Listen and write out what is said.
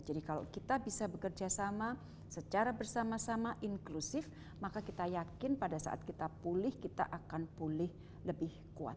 jadi kalau kita bisa bekerja sama secara bersama sama inklusif maka kita yakin pada saat kita pulih kita akan pulih lebih kuat